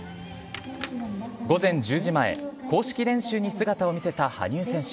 午前１０時前公式練習に姿を見せた羽生選手。